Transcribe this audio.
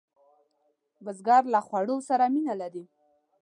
بزګر له خوړو سره مینه لري